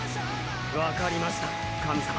分かりました神様。